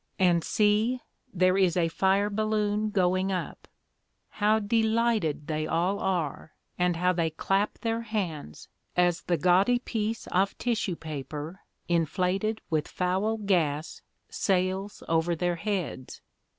And see, there is a fire balloon going up; how delighted they all are, and how they clap their hands as the gaudy piece of tissue paper inflated with foul gas sails over their heads.